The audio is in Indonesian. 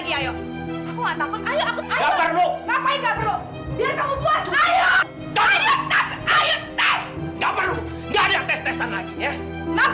gini gini lara anak mas satria kan